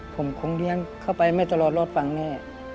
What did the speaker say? ผมคงเลี้ยงเข้าไปไม่ตลอดรอดฟังแน่